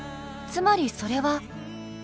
つまりそれは。